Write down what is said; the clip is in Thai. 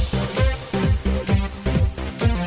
ขอบคุณค่ะ